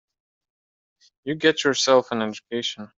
You get yourself an education.